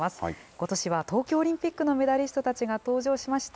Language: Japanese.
ことしは東京オリンピックのメダリストたちが登場しました。